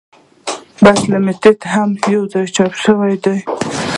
بحث المیت هم یو ځای چاپ شوی دی.